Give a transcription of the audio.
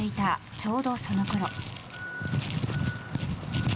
ちょうどそのころ。